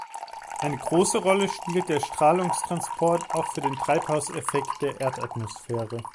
Eine große Rolle spielt der Strahlungstransport auch für den Treibhauseffekt der Erdatmosphäre.